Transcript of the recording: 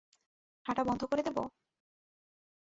হাঁটা বন্ধ করে দিব?